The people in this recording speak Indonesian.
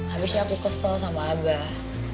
habisnya aku kesel sama abah